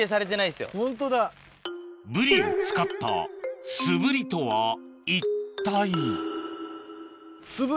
ブリを使ったすぶりとは一体？